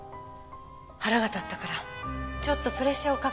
腹が立ったからちょっとプレッシャーをかけてやったの。